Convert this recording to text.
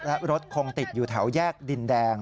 และรถคงติดอยู่แถวแยกดินแดง